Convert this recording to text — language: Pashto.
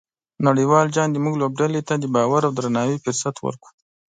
نړیوال جام زموږ لوبډلې ته د باور او درناوي فرصت ورکړ.